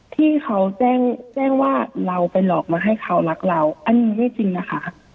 ที่เขาแจ้งแจ้งว่าเราไปหลอกมาให้เขารักเราอันนี้ไม่จริงนะคะ